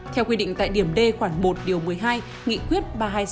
theo quy định tại điểm d khoản một điều một mươi hai nghị quyết ba trăm hai mươi sáu